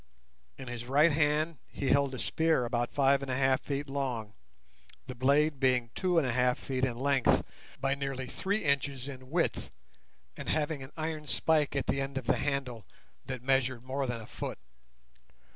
In his right hand he held a spear about five and a half feet long, the blade being two and a half feet in length, by nearly three inches in width, and having an iron spike at the end of the handle that measured more than a foot.